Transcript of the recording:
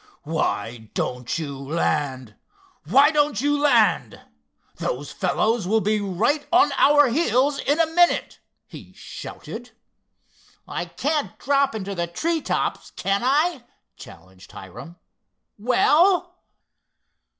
"Why don't you land—why don't you land! those fellows will be right on our heels in a minute," he shouted. "I can't drop into the tree tops, can I?" challenged Hiram—"well!"